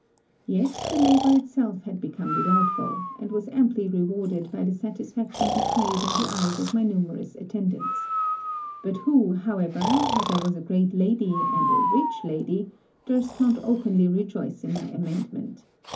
Yet the labour itself had become delightful, and was amply rewarded by the satisfaction betrayed in the eyes of my numerous attendants; but who, however, as I was a great lady and a rich lady, durst not openly rejoice in my amendment.